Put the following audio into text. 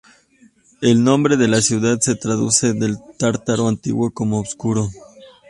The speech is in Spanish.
El nombre de la ciudad se traduce del tártaro antiguo como "oscuro".